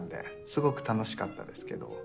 すごく楽しかったですけど。